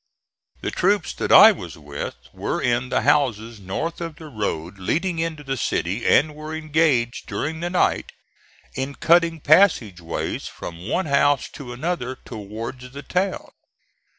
The troops that I was with were in the houses north of the road leading into the city, and were engaged during the night in cutting passage ways from one house to another towards the town.